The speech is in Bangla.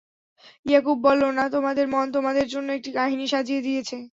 ইয়াকূব বলল, না, তোমাদের মন তোমাদের জন্যে একটি কাহিনী সাজিয়ে দিয়েছে।